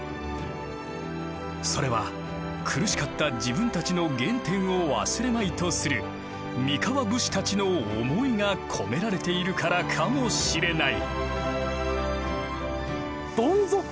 それは苦しかった自分たちの原点を忘れまいとする三河武士たちの思いが込められているからかもしれない。